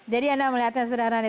jadi anda melihatnya sederhana